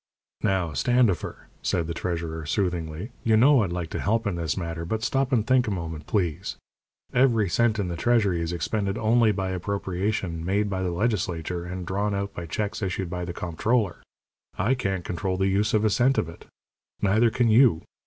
"Now, Standifer," said the treasurer, soothingly, "you know I'd like to help in this matter, but stop and think a moment, please. Every cent in the treasury is expended only by appropriation made by the legislature, and drawn out by checks issued by the comptroller. I can't control the use of a cent of it. Neither can you.